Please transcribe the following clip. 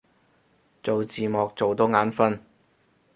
做字幕做到眼憤